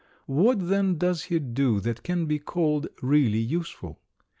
What, then, does he do that can be called really useful?